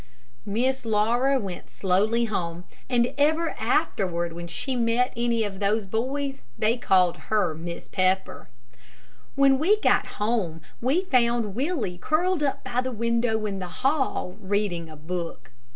Miss Laura went slowly home, and ever afterward when she met any of those boys, they called her "Miss Pepper." When we got home we found Willie curled up by the window in the hall, reading a book.